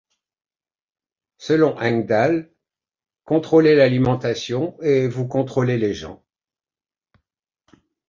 Selon Engdahl, contrôlez l'alimentation et vous contrôlez les gens.